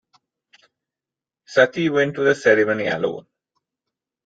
Sati went to the ceremony alone.